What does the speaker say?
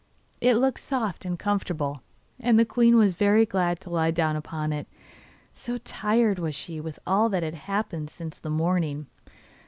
It looked soft and comfortable, and the queen was very glad to lie down upon it, so tired was she with all that had happened since the morning.